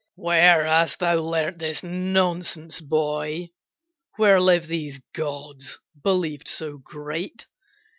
"Where hast thou learnt this nonsense, boy? Where live these gods believed so great?